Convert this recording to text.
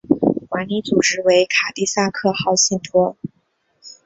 管理组织为卡蒂萨克号信托。